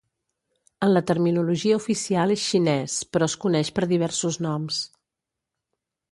En la terminologia oficial és xines però es coneix per diversos noms.